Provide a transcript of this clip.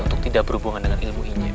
untuk tidak berhubungan dengan ilmu ini